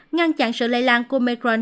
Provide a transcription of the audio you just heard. ngăn chặn sự lây lan của omicron